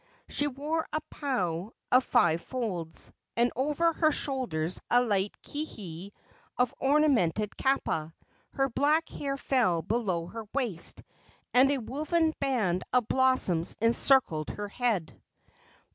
She wore a pau of five folds, and over her shoulders a light kihei of ornamented kapa. Her black hair fell below her waist, and a woven band of blossoms encircled her head.